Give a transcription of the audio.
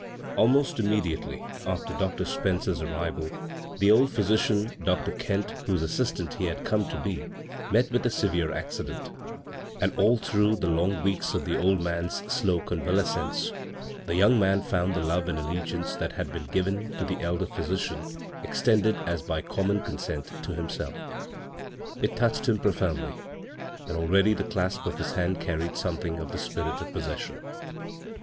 Almost immediately after Dr. Spencer's arrival, the old physician, Dr. Kent — whose assistant he had come to be — met with a severe accident ; and all through the long weeks of the old man's slow convalescence, the young man found the love and allegiance b, Google CROSS CURRENTS that had been given to the elder physiciaii extended as by common consent to hunselL It touched him profoundly ; and already the clasp of his hand carried sdmething of the spirit of possession.